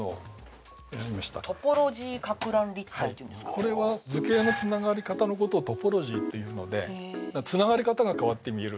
はいこれは図形のつながり方のことをトポロジーというのでつながり方が変わって見える